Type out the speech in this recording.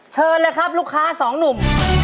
เชิญเลยครับลูกค้าสองหนุ่ม